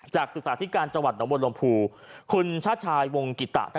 ศึกษาธิการจังหวัดหนองบวนลมภูคุณชาติชายวงกิตะ